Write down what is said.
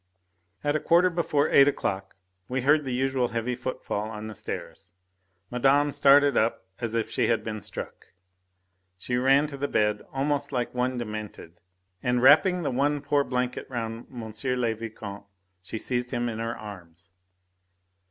At a quarter before eight o'clock we heard the usual heavy footfall on the stairs. Madame started up as if she had been struck. She ran to the bed almost like one demented, and wrapping the one poor blanket round M. le Vicomte, she seized him in her arms.